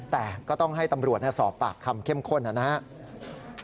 แต่ก็ต้องให้ตำรวจสอบปากคำเข้มข้นนะครับ